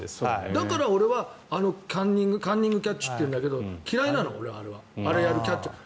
だから、俺はあのカンニングキャッチっていうんだけど嫌いなの俺はあれをやるキャッチャー。